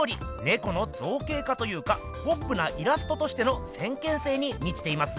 ネコの造形化というかポップなイラストとしての先見性にみちていますね。